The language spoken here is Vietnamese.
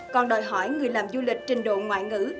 còn đòi hỏi người làm du lịch trình độ ngoại ngữ